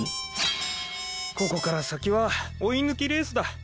ここから先は追い抜きレースだ。